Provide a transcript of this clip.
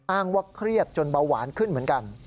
อ้างว่าเครียดจนเบาหวานขึ้นเหมือนกัน